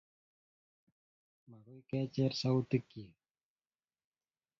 Makoi kecher sautikyi